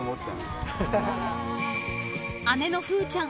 ［姉のふうちゃん